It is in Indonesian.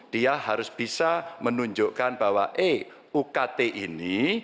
dia harus bisa menunjukkan bahwa eh ukt ini